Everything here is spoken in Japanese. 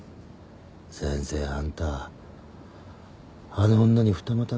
先生あんたあの女に二股かけられてますよ。